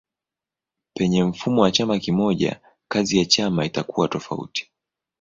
Penye mfumo wa chama kimoja kazi ya chama itakuwa tofauti.